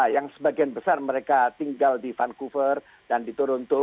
yang sebagian besar mereka tinggal di vancouver dan di toronto